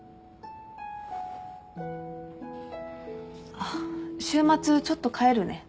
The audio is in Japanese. あっ週末ちょっと帰るね。